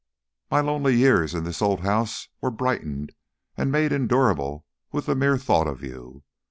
My lonely years in this old house were brightened and made endurable with the mere thought of you.